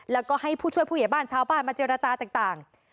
แล้วก็ให้ผู้ช่วยผู้ใหญ่บ้านชาวบ้านมาเจรจาต่าง